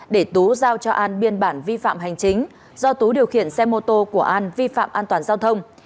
để tú giao cho an biên bản vi phạm hành chính do tú điều khiển xe mô tô của an vi phạm an toàn giao thông